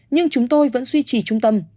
nhưng chúng tôi vẫn suy trì trung tâm